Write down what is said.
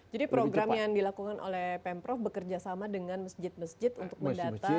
jadi program yang dilakukan oleh pemprov bekerja sama dengan masjid masjid untuk mendata